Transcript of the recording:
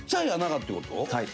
はい。